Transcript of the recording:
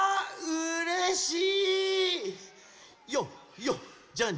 うれしい。